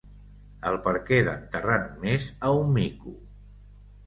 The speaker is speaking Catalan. El perquè d'enterrar només a un mico.